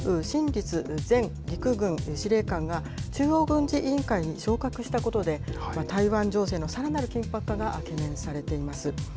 立前陸軍司令官が、中央軍事委員会に昇格したことで、台湾情勢のさらなる緊迫化が懸念されています。